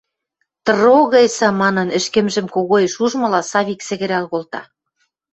Тр-рогайся! – манын, ӹшкӹмжӹм когоэш ужмыла, Савик сӹгӹрӓл колта.